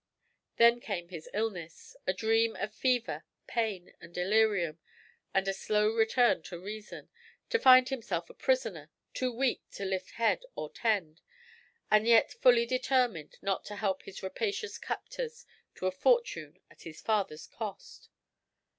Then came his illness, a dream of fever, pain, and delirium, and a slow return to reason, to find himself a prisoner, too weak to lift head or tend, and yet fully determined not to help his rapacious captors to a fortune at his father's cost.